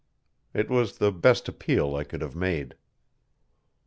It was the best appeal I could have made.